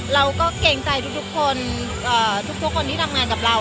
เราก็เกร็งใจทุกคนที่ทำงานกับเรา